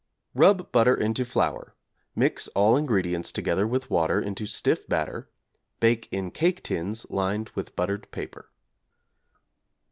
Rub butter into flour, mix all ingredients together with water into stiff batter; bake in cake tins lined with buttered paper.